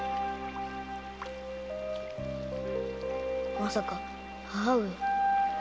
まさか母上が？